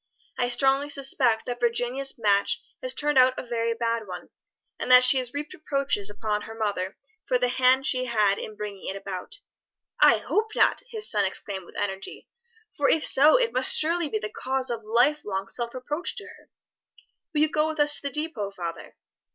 I strongly suspect that Virginia's match has turned out a very bad one, and that she has heaped reproaches upon her mother for the hand she had in bringing it about." "I hope not!" his son exclaimed with energy; "for if so it must surely be the cause of life long self reproach to her. Will you go with us to the depôt, father?"